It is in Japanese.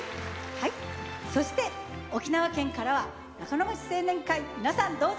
はいそして沖縄県からは中の町青年会皆さんどうぞ！